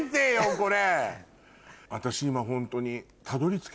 これ。